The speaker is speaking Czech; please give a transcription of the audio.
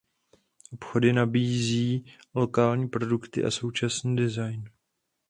Obchody nabízí lokální produkty a současný design.